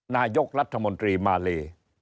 นายกรัฐมนตรีมาเล